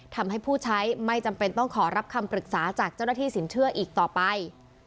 ทำให้ผู้ใช้ไม่จำเป็นต้องขอรับคำปรึกษาจากเจ้าหน้าที่สินเชื่ออีกต่อไป